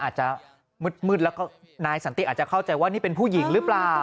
อาจจะมืดแล้วก็นายสันติอาจจะเข้าใจว่านี่เป็นผู้หญิงหรือเปล่า